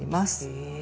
へえ。